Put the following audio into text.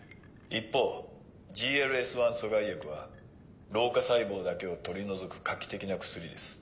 一方ＧＬＳ１阻害薬は老化細胞だけを取り除く画期的な薬です。